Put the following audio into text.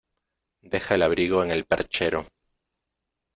Deja el abrigo en el perchero.